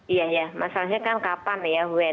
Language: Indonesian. iya iya masalahnya kan kapan ya when